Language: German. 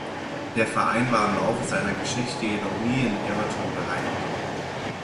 Der Verein war im Laufe seiner Geschichte jedoch nie in Everton beheimatet.